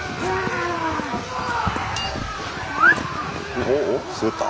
おっおっ滑った。